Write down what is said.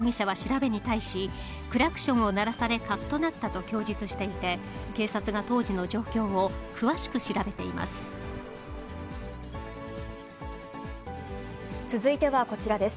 桜庭容疑者は調べに対し、クラクションを鳴らされ、かっとなったと供述していて、警察が当時の状況を詳しく調べています。